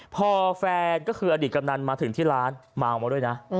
พอแฟนอดีตกำลังมาถึงที่ร้านมาออกมาด้วยนะ